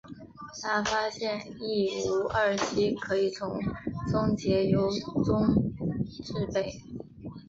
他发现异戊二烯可以从松节油中制备。